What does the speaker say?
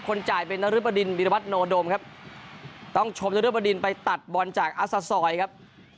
จ่ายเป็นนรบดินวิรวัตโนดมครับต้องชมนรบดินไปตัดบอลจากอาซาซอยครับ